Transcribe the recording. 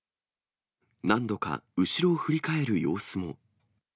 何度か、後ろを振り返る様子も。